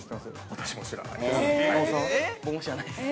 ◆私も知らないです。